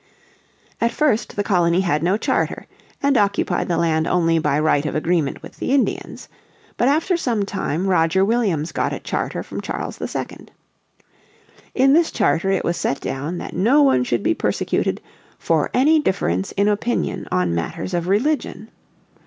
At first the colony had no charter, and occupied the land only by right of agreement with the Indians. But after some time Roger Williams got a charter from Charles II. In this charter it was set down that no one should be persecuted "for any difference in opinion on matters of religion."